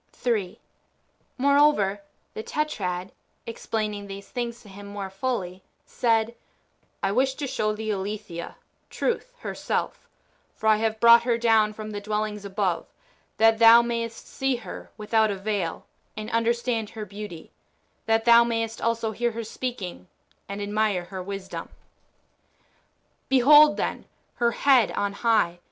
3. IMoreover, the Tetrad, explaining these things to him more fully, said :— I wish to show thee Aletheia (Truth) her self ; for I have brought her down from the dwellings above, that thou mayest see her without a veil, and understand her beauty — that thou mayest also hear her speaking, and admire her wisdom. Behold, then, her head on high.